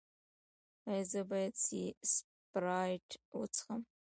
ایا زه باید سپرایټ وڅښم؟